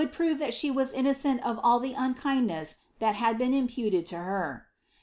prove that she was innocent of all the unkindness that had puted to her."